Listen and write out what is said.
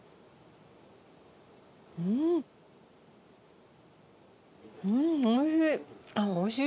うんおいしい。